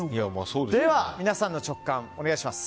では皆さんの直感、お願いします。